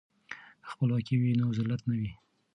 که خپلواکي وي نو ذلت نه وي.